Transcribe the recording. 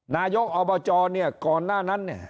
นายกอบจก่อนหน้านั้น